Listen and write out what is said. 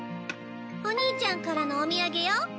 お兄ちゃんからのお土産よ。